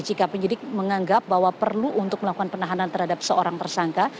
jika penyidik menganggap bahwa perlu untuk melakukan penahanan terhadap seorang tersangka